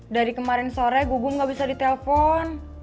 dari kemarin sore gugu gak bisa di telpon